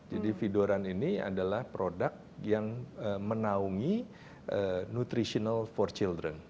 jadi vidoran ini adalah produk yang menaungi nutritional for children